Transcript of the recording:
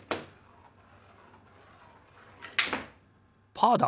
パーだ！